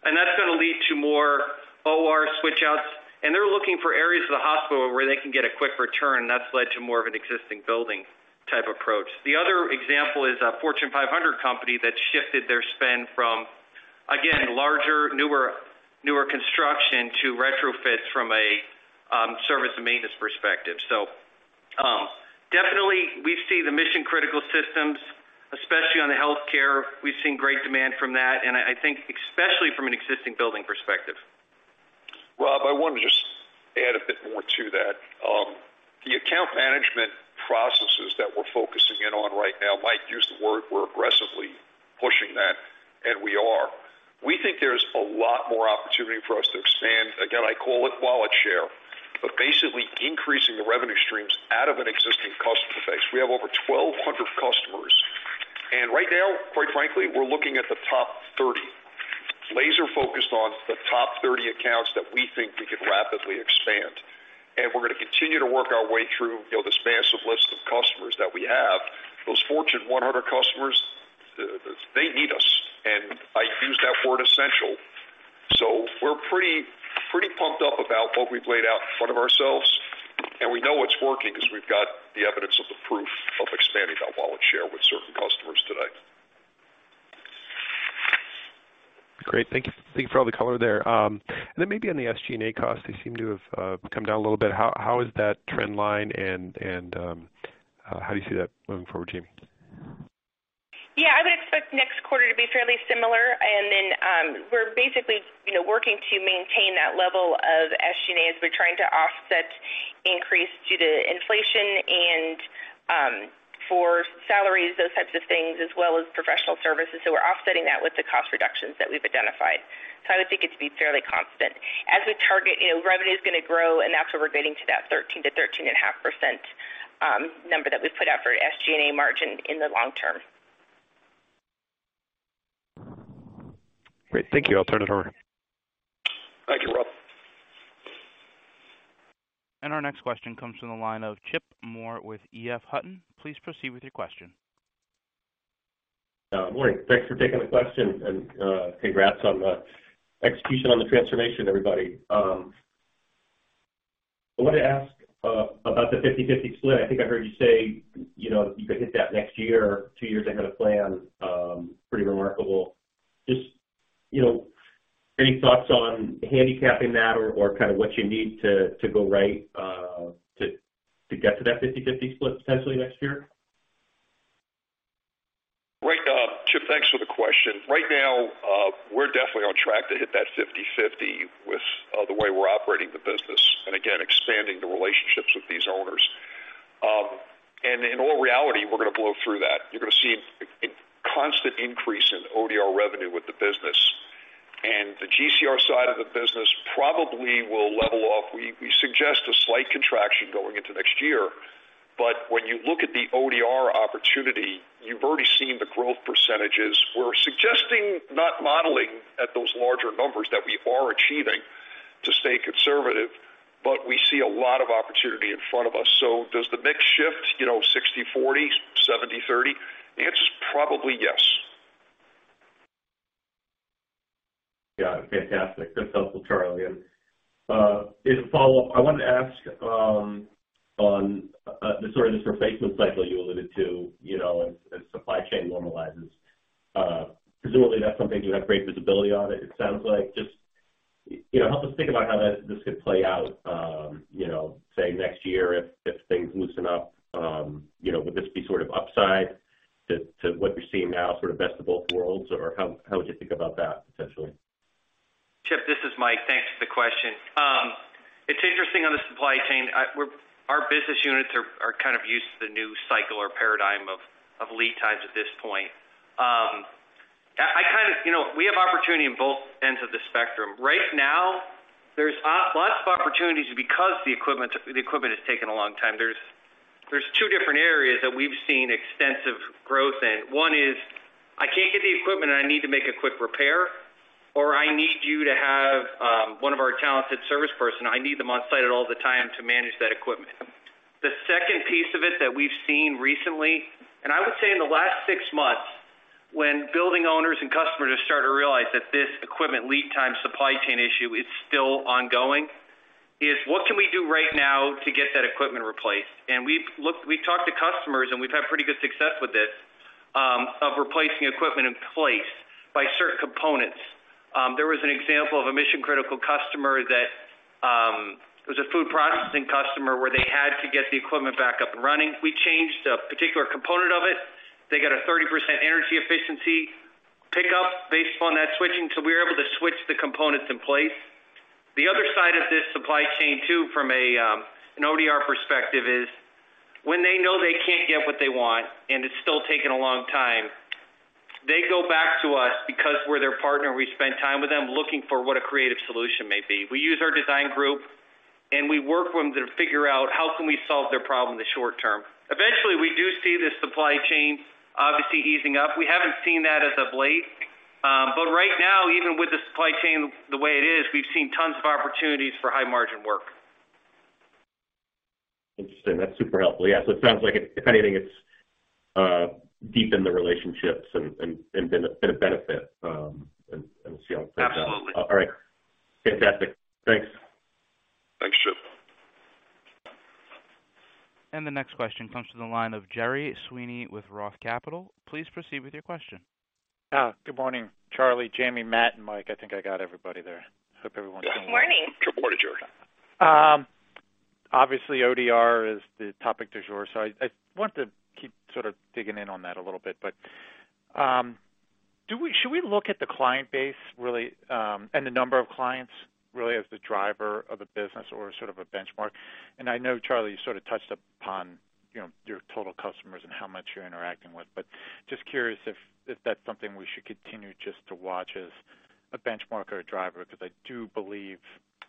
That's gonna lead to more OR switch outs. They're looking for areas of the hospital where they can get a quick return. That's led to more of an existing building type approach. The other example is a Fortune 500 company that shifted their spend from, again, larger, newer construction to retrofits from a service and maintenance perspective. Definitely we see the mission-critical systems, especially on the healthcare. We've seen great demand from that, and I think especially from an existing building perspective. Rob, I wanna just add a bit more to that. The account management processes that we're focusing in on right now, Mike used the word, we're aggressively pushing that, and we are. We think there's a lot more opportunity for us to expand. Again, I call it wallet share, but basically increasing the revenue streams out of an existing customer base. We have over 1,200 customers, and right now, quite frankly, we're looking at the top 30. Laser-focused on the top 30 accounts that we think we can rapidly expand. We're gonna continue to work our way through, you know, this massive list of customers that we have. Those Fortune 100 customers, they need us, and I use that word essential. We're pretty pumped up about what we've laid out in front of ourselves, and we know it's working 'cause we've got the evidence of the proof of expanding our wallet share with certain customers today. Great. Thank you. Thank you for all the color there. Maybe on the SG&A costs, they seem to have come down a little bit. How is that trend line and how do you see that moving forward, Jayme? Yeah, I would expect next quarter to be fairly similar. Then, we're basically, you know, working to maintain that level of SG&A as we're trying to offset increase due to inflation and for salaries, those types of things, as well as professional services. We're offsetting that with the cost reductions that we've identified. I would think it to be fairly constant. As we target, you know, revenue's gonna grow, and that's where we're getting to that 13%-13.5% number that we put out for SG&A margin in the long term. Great. Thank you. I'll turn it over. Thank you, Rob. Our next question comes from the line of Chip Moore with EF Hutton. Please proceed with your question. Morning. Thanks for taking the question and, congrats on the execution on the transformation, everybody. I wanted to ask about the 50/50 split. I think I heard you say, you know, you could hit that next year or two years ahead of plan, pretty remarkable. Just, you know, any thoughts on handicapping that or kinda what you need to go right to get to that 50/50 split potentially next year? Great. Chip, thanks for the question. Right now, we're definitely on track to hit that 50/50 with the way we're operating the business, and again, expanding the relationships with these owners. In all reality, we're gonna blow through that. You're gonna see a constant increase in ODR revenue with the business. The GCR side of the business probably will level off. We suggest a slight contraction going into next year. When you look at the ODR opportunity, you've already seen the growth percentages. We're suggesting not modeling at those larger numbers that we are achieving to stay conservative, but we see a lot of opportunity in front of us. Does the mix shift, you know, 60/40, 70/30? The answer is probably yes. Yeah. Fantastic. That's helpful, Charlie. As a follow-up, I wanted to ask on this sort of replacement cycle you alluded to, you know, as supply chain normalizes. Presumably that's something you have great visibility on it sounds like. Just, help us think about how this could play out say next year if things loosen up. You know, would this be sort of upside to what you're seeing now, sort of best of both worlds? Or how would you think about that potentially? Chip, this is Mike. Thanks for the question. It's interesting on the supply chain. Our business units are kind of used to the new cycle or paradigm of lead times at this point. You know, we have opportunity in both ends of the spectrum. Right now, there's lots of opportunities because the equipment is taking a long time. There's two different areas that we've seen extensive growth in. One is, I can't get the equipment and I need to make a quick repair, or I need you to have one of our talented service person. I need them on site all the time to manage that equipment. The second piece of it that we've seen recently, and I would say in the last six months, when building owners and customers are starting to realize that this equipment lead time supply chain issue is still ongoing, is what can we do right now to get that equipment replaced? We've talked to customers, and we've had pretty good success with this, of replacing equipment in place by certain components. There was an example of a mission-critical customer that, it was a food processing customer where they had to get the equipment back up and running. We changed a particular component of it. They got a 30% energy efficiency pickup based upon that switching, so we were able to switch the components in place. The other side of this supply chain, too, from an ODR perspective is when they know they can't get what they want and it's still taking a long time, they go back to us because we're their partner. We spend time with them looking for what a creative solution may be. We use our design group, and we work with them to figure out how can we solve their problem in the short term? Eventually, we do see the supply chain obviously easing up. We haven't seen that as of late. But right now, even with the supply chain the way it is, we've seen tons of opportunities for high margin work. Interesting. That's super helpful. Yeah. So it sounds like if anything, it's deepened the relationships and been a benefit, and see how it plays out. Absolutely. All right. Fantastic. Thanks. Thanks, Chip. The next question comes from the line of Gerry Sweeney with Roth Capital. Please proceed with your question. Good morning, Charlie, Jayme, Matt, and Mike. I think I got everybody there. Hope everyone can hear me. Good morning. Good morning, Gerry. Obviously ODR is the topic du jour so I want to keep sort of digging in on that a little bit. Should we look at the client base really and the number of clients really as the driver of the business or sort of a benchmark? I know, Charlie, you sort of touched upon, you know, your total customers and how much you're interacting with, but just curious if that's something we should continue just to watch as a benchmark or a driver, because I do believe,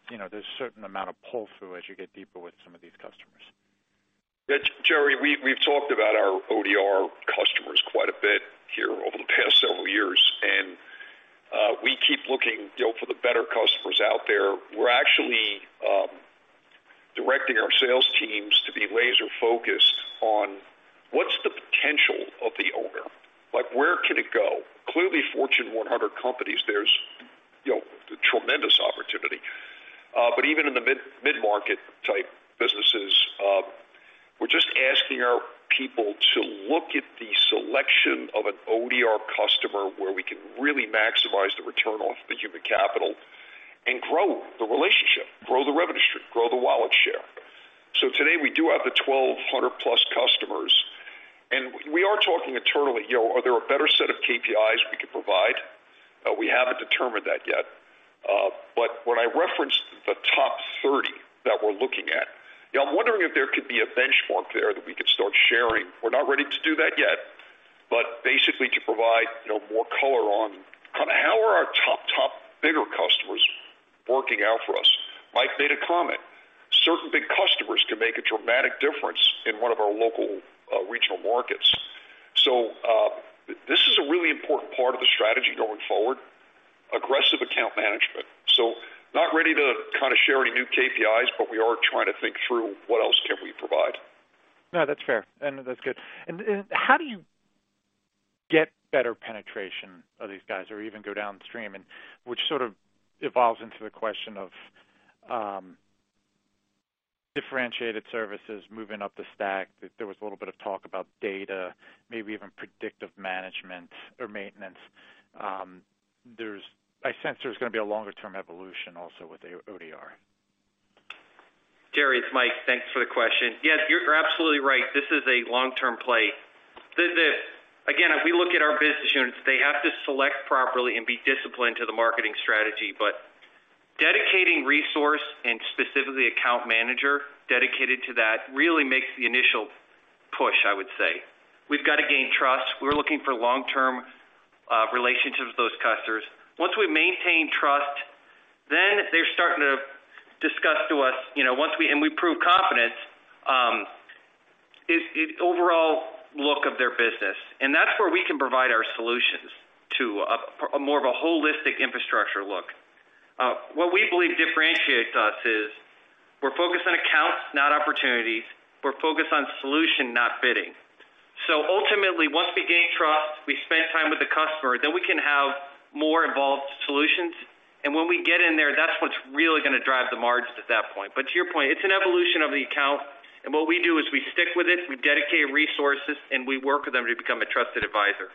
you know, there's a certain amount of pull through as you get deeper with some of these customers. Yeah, Gerry, we've talked about our ODR customers quite a bit here over the past several years. We keep looking, you know, for the better customers out there. We're actually directing our sales teams to be laser focused on what's the potential of the owner. Like, where can it go? Clearly Fortune 100 companies, there's, you know, tremendous opportunity. But even in the mid-market type businesses, we're just asking our people to look at the selection of an ODR customer where we can really maximize the return off the human capital and grow the relationship, grow the revenue stream, grow the wallet share. Today we do have the 1,200+ customers, and we are talking internally, you know, are there a better set of KPIs we could provide? We haven't determined that yet. When I referenced the top 30 that we're looking at, you know, I'm wondering if there could be a benchmark there that we could start sharing. We're not ready to do that yet, but basically to provide, you know, more color on how are our top bigger customers working out for us. Mike made a comment. Certain big customers can make a dramatic difference in one of our local, regional markets. This is a really important part of the strategy going forward, aggressive account management. Not ready to share any new KPIs, but we are trying to think through what else can we provide. No, that's fair, and that's good. How do you get better penetration of these guys or even go downstream? Which sort of evolves into the question of, differentiated services moving up the stack. There was a little bit of talk about data, maybe even predictive management or maintenance. I sense there's gonna be a longer term evolution also with our ODR. Gerry, it's Mike. Thanks for the question. Yes, you're absolutely right. This is a long-term play. Again, if we look at our business units, they have to select properly and be disciplined to the marketing strategy. Dedicating resource and specifically account manager dedicated to that really makes the initial push, I would say. We've got to gain trust. We're looking for long-term relationships with those customers. Once we maintain trust, then they're starting to discuss to us, you know, and we prove confidence is overall look of their business. That's where we can provide our solutions to a more of a holistic infrastructure look. What we believe differentiates us is we're focused on accounts, not opportunities. We're focused on solution, not bidding. Ultimately, once we gain trust, we spend time with the customer, then we can have more involved solutions. When we get in there, that's what's really gonna drive the margins at that point. To your point, it's an evolution of the account, and what we do is we stick with it, we dedicate resources, and we work with them to become a trusted advisor.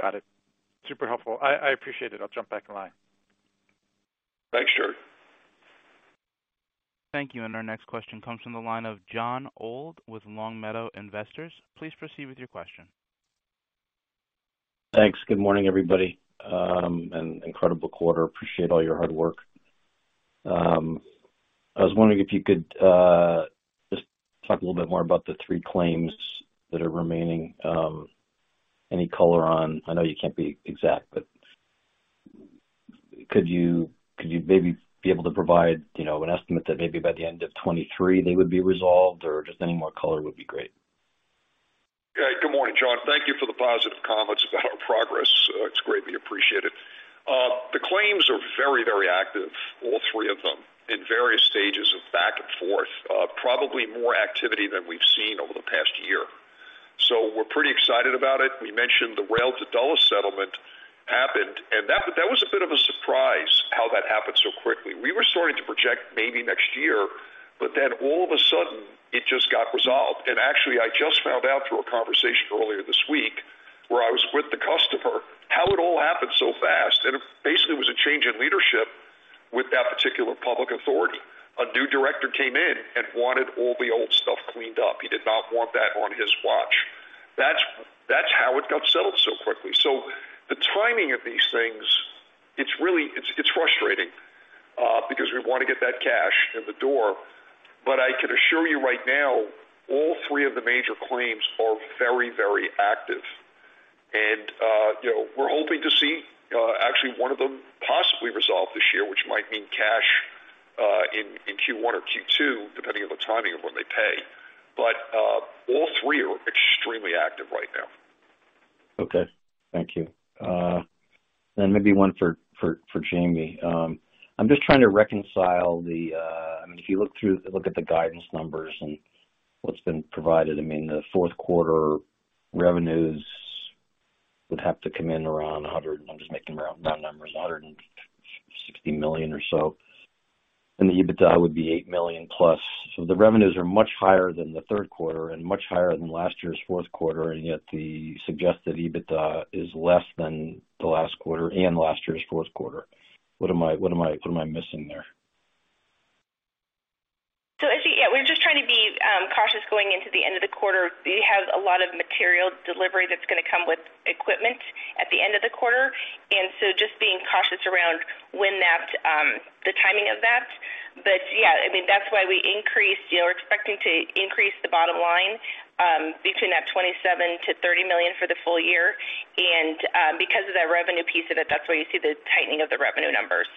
Got it. Super helpful. I appreciate it. I'll jump back in line. Thanks, Gerry. Thank you. Our next question comes from the line of Jon Old with Long Meadow Investors. Please proceed with your question. Thanks. Good morning, everybody. An incredible quarter. Appreciate all your hard work. I was wondering if you could just talk a little bit more about the three claims that are remaining. Any color on them. I know you can't be exact, but could you maybe be able to provide, you know, an estimate that maybe by the end of 2023 they would be resolved or just any more color would be great. Yeah. Good morning, Jon. Thank you for the positive comments about our progress. It's greatly appreciated. The claims are very, very active, all three of them, in various stages of back and forth. Probably more activity than we've seen over the past year. So we're pretty excited about it. We mentioned the Rail to Dulles settlement happened, and that was a bit of a surprise how that happened so quickly. We were starting to project maybe next year, but then all of a sudden it just got resolved. Actually, I just found out through a conversation earlier this week where I was with the customer, how it all happened so fast, and it basically was a change in leadership with that particular public authority. A new director came in and wanted all the old stuff cleaned up. He did not want that on his watch. That's how it got settled so quickly. The timing of these things, it's really frustrating because we want to get that cash in the door. I can assure you right now, all three of the major claims are very active. You know, we're hoping to see actually one of them possibly resolve this year, which might mean cash in Q1 or Q2, depending on the timing of when they pay. All three are extremely active right now. Okay. Thank you. Maybe one for Jayme. I'm just trying to reconcile the, I mean, if you look at the guidance numbers and what's been provided, I mean, the fourth quarter revenues would have to come in around $100 million, I'm just making round numbers, $160 million or so, and the EBITDA would be $8 million plus. The revenues are much higher than the third quarter and much higher than last year's fourth quarter, and yet the suggested EBITDA is less than the last quarter and last year's fourth quarter. What am I missing there? I see, yeah, we're just trying to be cautious going into the end of the quarter. We have a lot of material delivery that's gonna come with equipment at the end of the quarter, and so just being cautious around when that, the timing of that. Yeah, I mean, that's why we increased. You know, we're expecting to increase the bottom line between that $27 million-$30 million for the full year. Because of that revenue piece of it, that's why you see the tightening of the revenue numbers.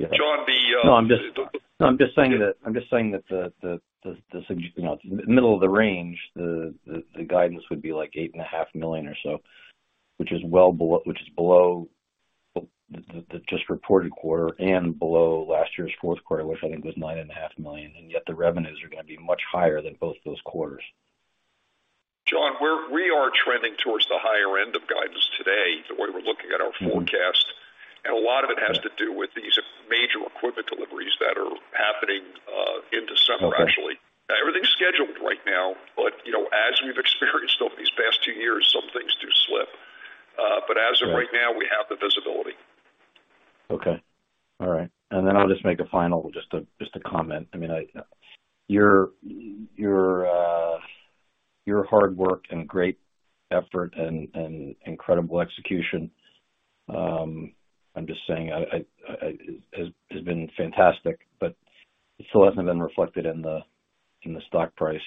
Yeah. Jon, the No, I'm just saying that, you know, middle of the range, the guidance would be like $8.5 million or so, which is well below the just reported quarter and below last year's fourth quarter, which I think was $9.5 million, and yet the revenues are gonna be much higher than both those quarters. Jon, we are trending towards the higher end of guidance today, the way we're looking at our forecast. Mm-hmm. A lot of it has to do with these major equipment deliveries that are happening in December, actually. Okay. Everything's scheduled right now, but, you know, as we've experienced over these past two years, some things do slip. As of right now, we have the visibility. Okay. All right. I'll just make a final comment. Your hard work and great effort and incredible execution. It has been fantastic, but it still hasn't been reflected in the stock price.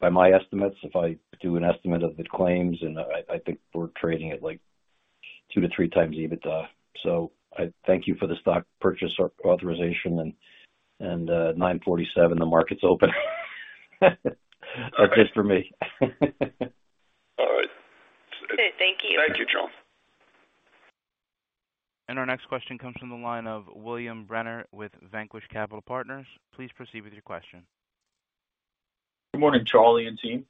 By my estimates, if I do an estimate of the claims, I think we're trading at, like, 2-3 times EBITDA. I thank you for the stock purchase authorization and $9.47, the market's open. All right. Just for me. All right. Okay. Thank you. Thank you, Jon. Our next question comes from the line of William Bremer with Vanquish Capital Partners. Please proceed with your question. Good morning, Charlie and team.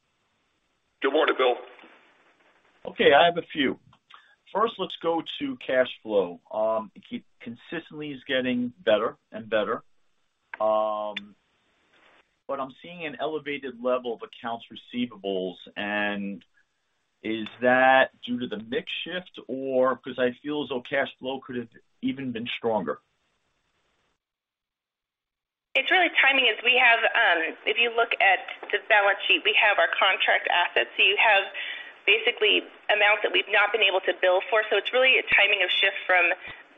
Good morning, Bill. Okay. I have a few. First, let's go to cash flow. It consistently is getting better and better. I'm seeing an elevated level of accounts receivable. Is that due to the mix shift or? Because I feel as though cash flow could have even been stronger. It's really timing as we have. If you look at the balance sheet, we have our contract assets. So you have basically amounts that we've not been able to bill for. So it's really a timing of shift from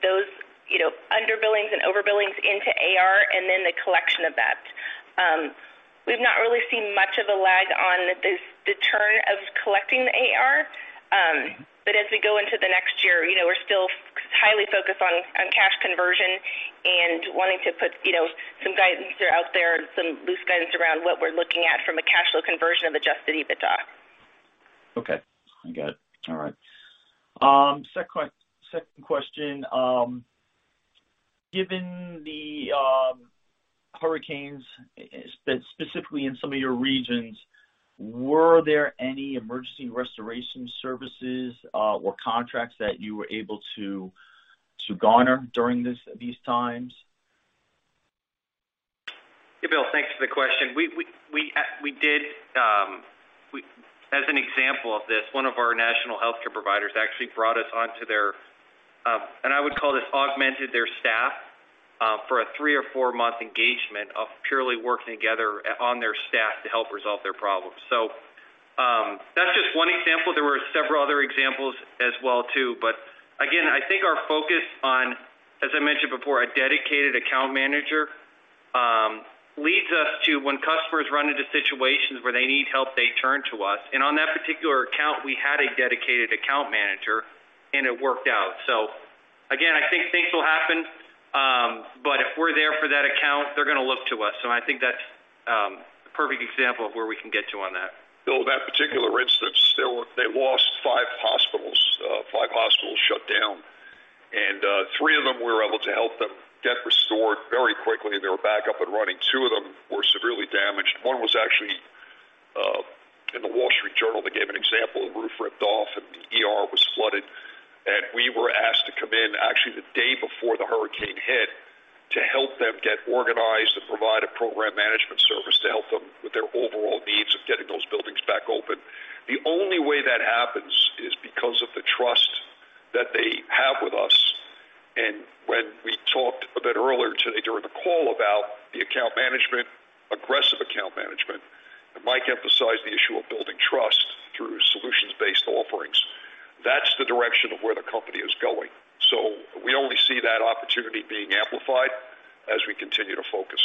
those, you know, under billings and over billings into AR and then the collection of that. We've not really seen much of a lag on this, the turn of collecting the AR. But as we go into the next year, you know, we're still highly focused on cash conversion and wanting to put, you know, some guidance there out there, some loose guidance around what we're looking at from a cash flow conversion of adjusted EBITDA. Okay. I got it. All right. Second question. Given the hurricanes, specifically in some of your regions, were there any emergency restoration services or contracts that you were able to garner during these times? Yeah, Bill, thanks for the question. We did as an example of this, one of our national healthcare providers actually brought us onto their and I would call this augmented their staff for a 3- or 4-month engagement of purely working together on their staff to help resolve their problems. That's just one example. There were several other examples as well too. Again, I think our focus on, as I mentioned before, a dedicated account manager leads us to when customers run into situations where they need help, they turn to us. On that particular account, we had a dedicated account manager, and it worked out. Again, I think things will happen, but if we're there for that account, they're gonna look to us. I think that's a perfect example of where we can get to on that. Bill, that particular instance, they lost five hospitals. Five hospitals shut down. Three of them were able to help them get restored very quickly, and they were back up and running. Two of them were severely damaged. One was actually in The Wall Street Journal. They gave an example of the roof ripped off, and the ER was flooded. We were asked to come in actually the day before the hurricane hit to help them get organized and provide a program management service to help them with their overall needs of getting those buildings back open. The only way that happens is because of the trust that they have with us. When we talked a bit earlier today during the call about the account management, aggressive account management, and Mike emphasized the issue of building trust through solutions-based offerings. That's the direction of where the company is going. We only see that opportunity being amplified as we continue to focus.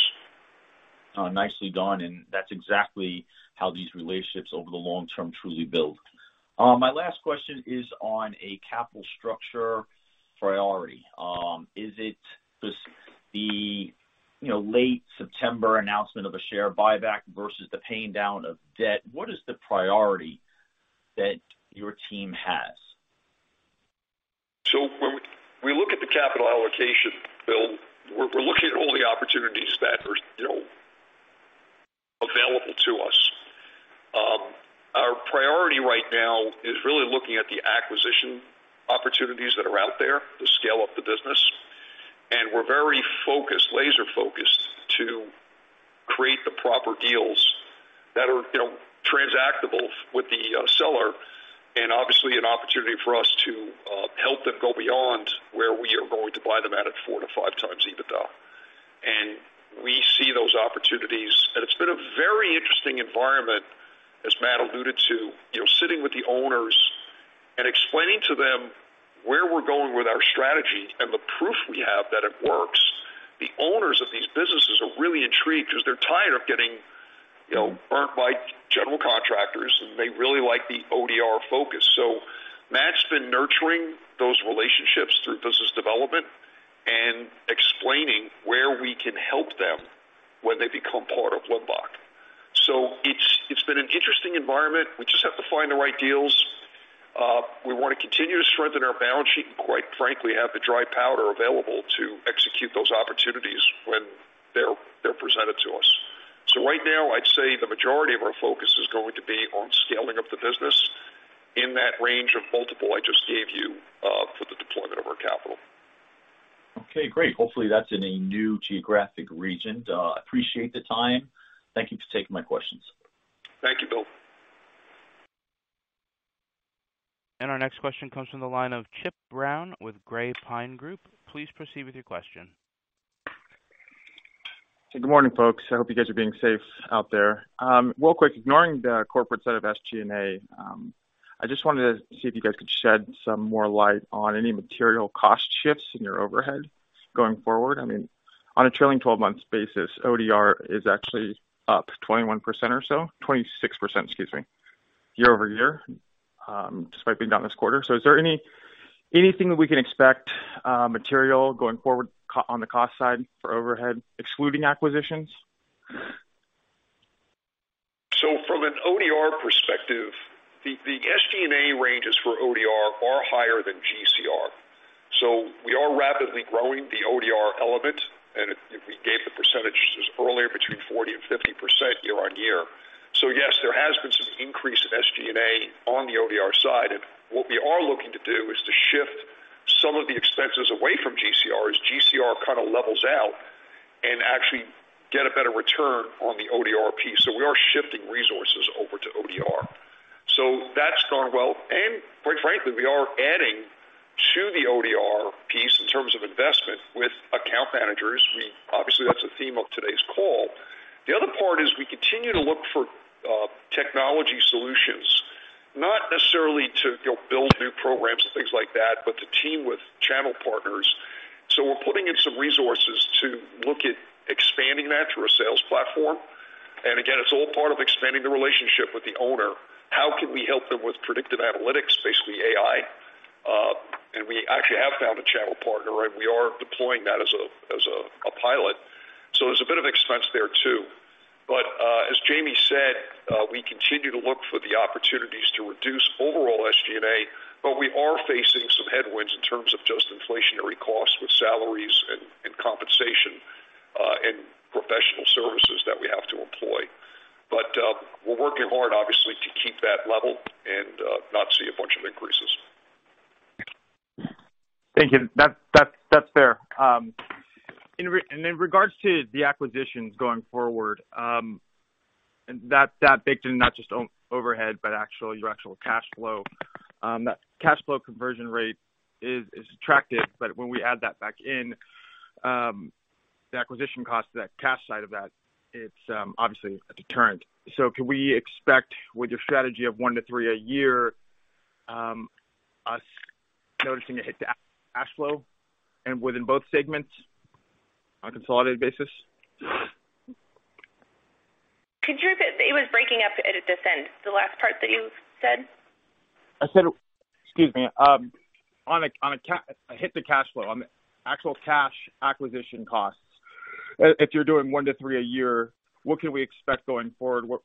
Nicely done, and that's exactly how these relationships over the long term truly build. My last question is on a capital structure priority. Is it the, you know, late September announcement of a share buyback versus the paying down of debt? What is the priority that your team has? When we look at the capital allocation, Bill, we're looking at all the opportunities that are, you know, available to us. Our priority right now is really looking at the acquisition opportunities that are out there to scale up the business. We're very focused, laser-focused to create the proper deals that are, you know, transactable with the seller and obviously an opportunity for us to help them go beyond where we are going to buy them at 4-5x EBITDA. We see those opportunities. It's been a very interesting environment, as Matt alluded to, you know, sitting with the owners and explaining to them where we're going with our strategy and the proof we have that it works. The owners of these businesses are really intrigued because they're tired of getting, you know, burnt by general contractors, and they really like the ODR focus. Matt's been nurturing those relationships through business development and explaining where we can help them when they become part of Limbach. It's been an interesting environment. We just have to find the right deals. We wanna continue to strengthen our balance sheet and quite frankly, have the dry powder available to execute those opportunities when they're presented to us. Right now, I'd say the majority of our focus is going to be on scaling up the business in that range of multiple I just gave you, for the deployment of our capital. Okay, great. Hopefully, that's in a new geographic region. Appreciate the time. Thank you for taking my questions. Thank you, Bill. Our next question comes from the line of Chip Brown with Gray Pine Group. Please proceed with your question. Good morning, folks. I hope you guys are being safe out there. Real quick, ignoring the corporate side of SG&A, I just wanted to see if you guys could shed some more light on any material cost shifts in your overhead going forward. I mean, on a trailing twelve months basis, ODR is actually up 21% or so. 26%, excuse me, year-over-year, despite being down this quarter. Is there anything that we can expect, material going forward on the cost side for overhead, excluding acquisitions? From an ODR perspective, the SG&A ranges for ODR are higher than GCR. We are rapidly growing the ODR element, and if we gave the percentages earlier between 40% and 50% year-over-year. Yes, there has been some increase in SG&A on the ODR side. What we are looking to do is to shift some of the expenses away from GCR as GCR kinda levels out and actually get a better return on the ODR piece. We are shifting resources over to ODR. That's going well. Quite frankly, we are adding to the ODR piece in terms of investment with account managers. Obviously, that's the theme of today's call. The other part is we continue to look for technology solutions, not necessarily to, you know, build new programs and things like that, but to team with channel partners. We're putting in some resources to look at expanding that through a sales platform. Again, it's all part of expanding the relationship with the owner. How can we help them with predictive analytics, basically AI? We actually have found a channel partner, and we are deploying that as a pilot. There's a bit of expense there too. As Jayme said, we continue to look for the opportunities to reduce overall SG&A, but we are facing some headwinds in terms of just inflationary costs with salaries and compensation, and professional services that we have to employ. We're working hard, obviously, to keep that level and not see a bunch of increases. Thank you. That's fair. In regards to the acquisitions going forward, and that big thing, not just overhead, but your actual cash flow. That cash flow conversion rate is attractive, but when we add that back in, the acquisition cost to that cash side of that, it's obviously a deterrent. Can we expect with your strategy of 1-3 a year, us noticing a hit to cash flow and within both segments on a consolidated basis? Could you repeat? It was breaking up at this end, the last part that you said. Excuse me. On a hit to cash flow on actual cash acquisition costs. If you're doing 1-3 a year, what can we expect going forward? Where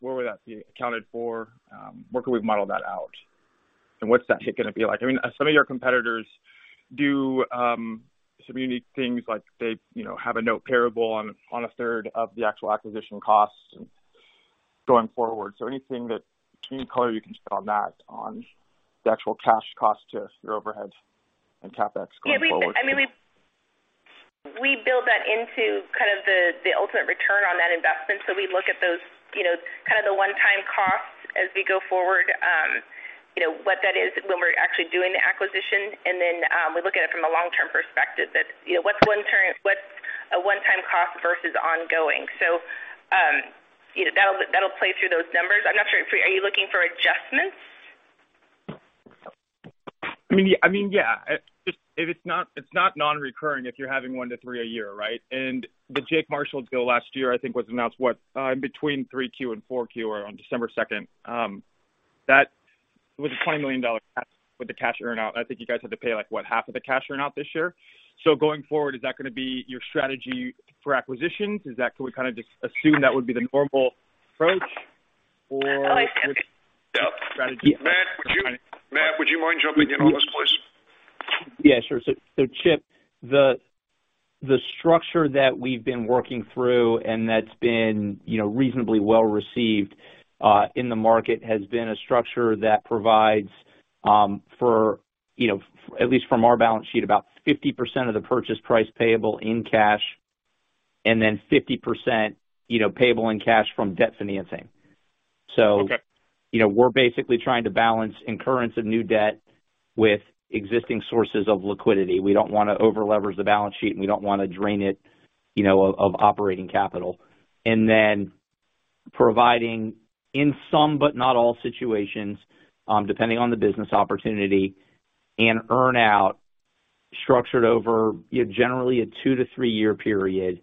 would that be accounted for? Where could we model that out? And what's that hit gonna be like? I mean, some of your competitors do some unique things like they, you know, have a note payable on a third of the actual acquisition costs going forward. Any color you can share on that, on the actual cash cost to your overhead and CapEx going forward? Yeah. I mean, we build that into kind of the ultimate return on that investment. We look at those, you know, kind of the one-time costs as we go forward. You know, what that is when we're actually doing the acquisition, and then we look at it from a long-term perspective that, you know, what's a one-time cost versus ongoing. You know, that'll play through those numbers. Are you looking for adjustments? I mean, yeah. If it's not, it's not non-recurring if you're having one to three a year, right? The Jake Marshall deal last year, I think was announced what? In between 3Q and 4Q or on December second. That was a $20 million cash with the cash earn out. I think you guys had to pay, like, what, half of the cash earn out this year. Going forward, is that gonna be your strategy for acquisitions? Is that? Can we kinda just assume that would be the normal approach or strategy? Matt, would you mind jumping in on this please? Yeah, sure. Chip, the structure that we've been working through and that's been, you know, reasonably well received in the market has been a structure that provides for, you know, at least from our balance sheet, about 50% of the purchase price payable in cash and then 50%, you know, payable in cash from debt financing. Okay. You know, we're basically trying to balance incurrence of new debt with existing sources of liquidity. We don't wanna over-leverage the balance sheet, and we don't wanna drain it, you know, of operating capital. Providing in some but not all situations, depending on the business opportunity and earn out structured over, you know, generally a 2-3-year period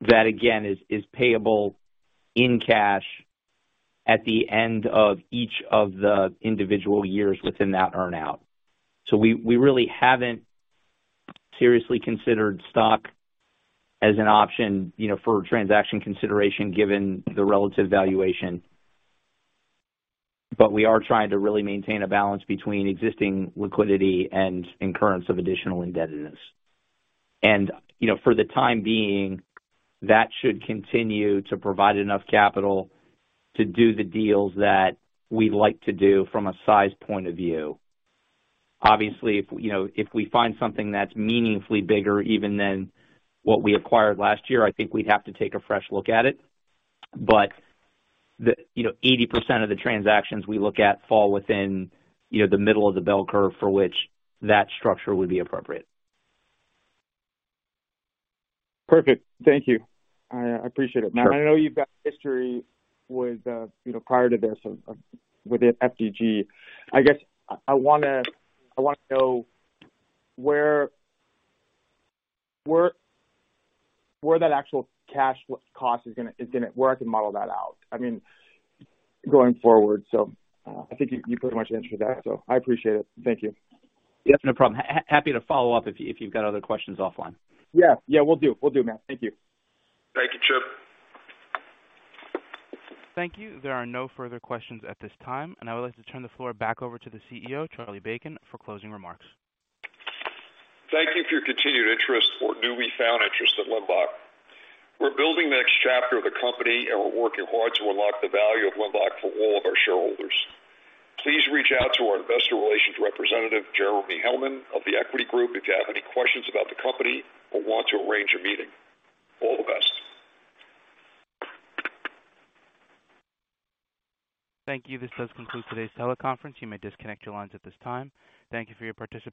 that again, is payable in cash at the end of each of the individual years within that earn out. We really haven't seriously considered stock as an option, you know, for transaction consideration given the relative valuation. We are trying to really maintain a balance between existing liquidity and incurrence of additional indebtedness. You know, for the time being, that should continue to provide enough capital to do the deals that we like to do from a size point of view. Obviously, if, you know, if we find something that's meaningfully bigger even than what we acquired last year, I think we'd have to take a fresh look at it. The, you know, 80% of the transactions we look at fall within, you know, the middle of the bell curve for which that structure would be appropriate. Perfect. Thank you. I appreciate it. Sure. Matt, I know you've got history with prior to this of within FdG. I guess I want to know where that actual cash cost is gonna. Where I can model that out. I mean, going forward. I think you pretty much answered that, so I appreciate it. Thank you. Yeah, no problem. Happy to follow up if you've got other questions offline. Yeah. Yeah, will do. Will do, Matt. Thank you. Thank you, Chip. Thank you. There are no further questions at this time, and I would like to turn the floor back over to the CEO, Charlie Bacon, for closing remarks. Thank you for your continued interest or newly found interest in Limbach. We're building the next chapter of the company, and we're working hard to unlock the value of Limbach for all of our shareholders. Please reach out to our investor relations representative, Jeremy Hellman of The Equity Group, if you have any questions about the company or want to arrange a meeting. All the best. Thank you. This does conclude today's teleconference. You may disconnect your lines at this time. Thank you for your participation.